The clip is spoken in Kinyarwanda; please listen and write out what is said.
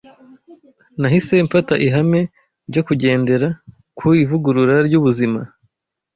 Nahise mfata ihame ryo kugendera ku ivugurura ry’ubuzima